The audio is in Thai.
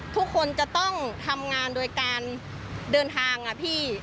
ทุกคนจะต้องทำงานโดยการเดินทางอะพี่